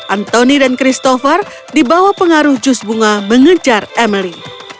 anthony dan christopher dibawa pengaruh jus bunga mengejar emily